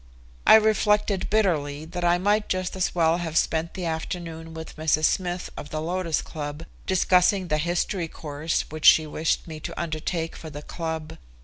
I reflected bitterly that I might just as well have spent the afternoon with Mrs. Smith of the Lotus Club, discussing the history course which she wished me to undertake for the club.